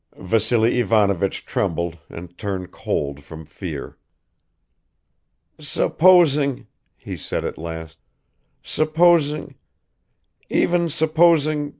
Vassily Ivanovich trembled and turned cold from fear. "Supposing," he said at last, "supposing ... even supposing